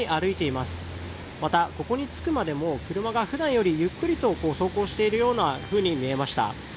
またここに着くまでも車が普段よりゆっくりと走行しているように見えました。